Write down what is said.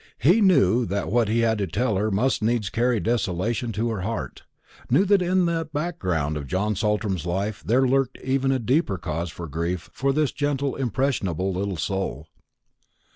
He knew that what he had to tell her must needs carry desolation to her heart knew that in the background of John Saltram's life there lurked even a deeper cause of grief for this gentle impressionable little soul.